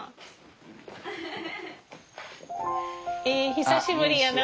久しぶりやな。